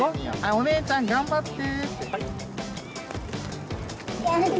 「お姉ちゃん頑張って」って。